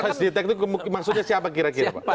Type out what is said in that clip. face detect itu maksudnya siapa kira kira pak